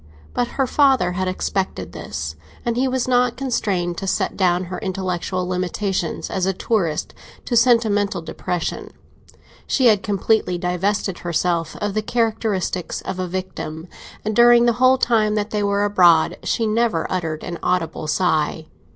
But her father had expected this, and he was not constrained to set down her intellectual limitations as a tourist to sentimental depression; she had completely divested herself of the characteristics of a victim, and during the whole time that they were abroad she never uttered an audible sigh.